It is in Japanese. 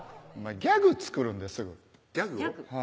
ギャグ作るんですぐギャグを？